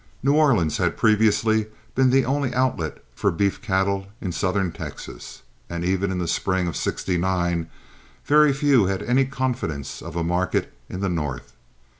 New Orleans had previously been the only outlet for beef cattle in southern Texas, and even in the spring of '69 very few had any confidence of a market in the north.